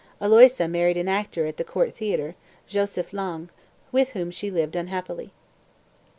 Aloysia married an actor at the Court Theatre, Josef Lange, with whom she lived unhappily.)